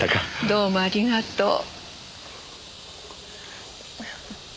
どうもありがとう。